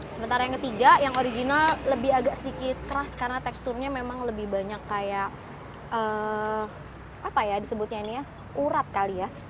sementara yang ketiga yang original lebih agak sedikit keras karena teksturnya memang lebih banyak kayak apa ya disebutnya ini ya urat kali ya